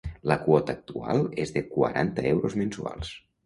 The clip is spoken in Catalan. La quota actual és de quaranta euros mensuals.